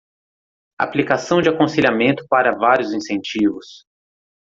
Aplicação de aconselhamento para vários incentivos